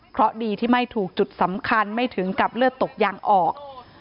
เพราะดีที่ไม่ถูกจุดสำคัญไม่ถึงกับเลือดตกยางออก